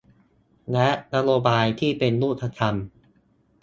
และนโยบายที่เป็นรูปธรรม